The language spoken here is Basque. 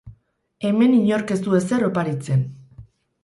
Hemen inork ez du ezer oparitzen.